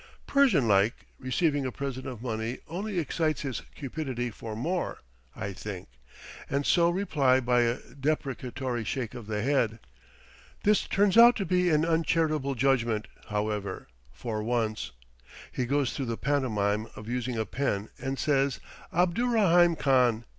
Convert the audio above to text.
"Persian like, receiving a present of money only excites his cupidity for more," I think; and so reply by a deprecatory shake of the head. This turns out to be an uncharitable judgment, however, for once; he goes through the pantomime of using a pen and says, "Abdurraheim Khan."